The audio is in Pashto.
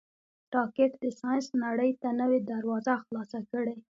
راکټ د ساینس نړۍ ته نوې دروازه خلاصه کړې